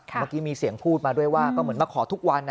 เมื่อกี้มีเสียงพูดมาด้วยว่าก็เหมือนมาขอทุกวัน